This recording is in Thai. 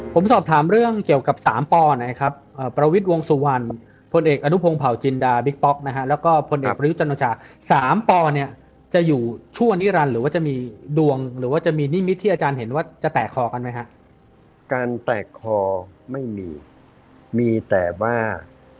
ผมสอบถามเรื่องเกี่ยวกับสามปนะครับประวิทย์วงสุวรรณพลเอกอนุพงศ์เผาจินดาบิ๊กป๊อกนะฮะแล้วก็พลเอกประยุทธ์จันโอชาสามปเนี่ยจะอยู่ชั่วนิรันดิ์หรือว่าจะมีดวงหรือว่าจะมีนิมิตที่อาจารย์เห็นว่าจะแตกคอกันไหมฮะการแตกคอไม่มีมีแต่ว่า